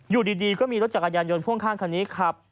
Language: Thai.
อยู่ดีดีก็มีรถจักรยานยนต์พ่วงข้างรถนี้